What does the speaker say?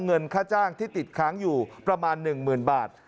เงินค่าจ้างที่ติดค้างอยู่ประมาณ๑๐๐๐บาท